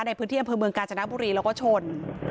ในพื้นที่อำเภอเมืองกาญจนบุรีแล้วก็ชน